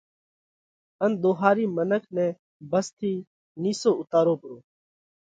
ان ۮوهارِي منک نئہ ڀس ٿِي نِيسو اُوتارو پرو۔